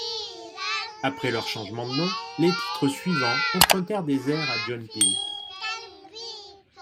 Après leur changement de nom, les titres suivants empruntèrent des airs à John Peel.